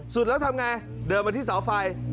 สุดแล้วทำไงเดินมาที่เสาไฟ